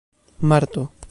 marto